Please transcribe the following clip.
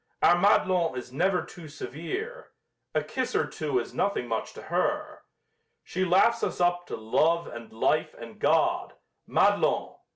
Our Madelon is never too severe A kiss or two is nothing much to her She laughs us up to love and life and God Madelon!